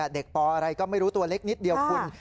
ปอะไรก็ไม่รู้ตัวเล็กนิดเดียวคุณ